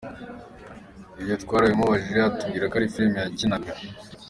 Ibyo twarabimubajije atubwira ko ari filime yakinaga…”.